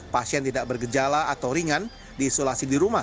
pasien tidak bergejala atau ringan diisolasi di rumah